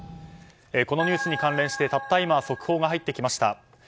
このニュースに関連してたった今、速報が入ってきました。